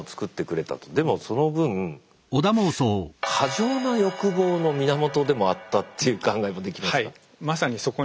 でもその分過剰な欲望の源でもあったっていう考えもできますか？